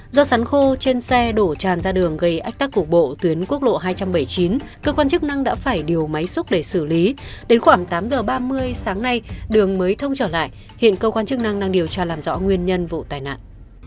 do sắn khô trên xe đổ tràn ra đường gây ách tắc cục bộ tuyến quốc lộ hai trăm bảy mươi chín cơ quan chức năng đã phải điều máy xúc để xử lý đến khoảng tám giờ ba mươi sáng nay đường mới thông trở lại hiện cơ quan chức năng đang điều tra làm rõ nguyên nhân vụ tai nạn